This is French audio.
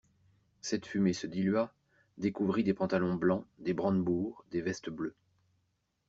Cette fumée se dilua, découvrit des pantalons blancs, des brandebourgs, des vestes bleues.